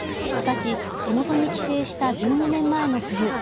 しかし、地元に帰省した１２年前の冬。